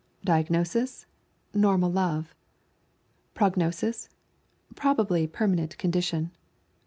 Diagnosis: Normal love. Prognosis: Probably permanent condition.